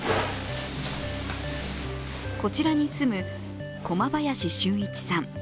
こちらに住む駒林俊一さん。